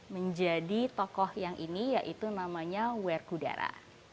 menjadi tokoh yang ini yaitu namanya werkudara